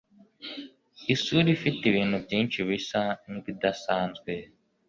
Isura ifite ibintu byinshi bisa nkibidasanzwe.